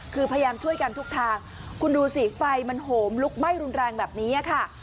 คือพยายามช่วยกันทุกทางคุณดูสิไฟมันโหมลุกไหม้รุนแรงแบบนี้ค่ะ